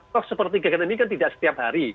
toh seperti kegiatan ini kan tidak setiap hari